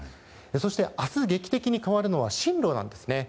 そして明日、劇的に変わるのは進路なんです。